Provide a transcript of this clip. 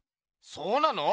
そうなの？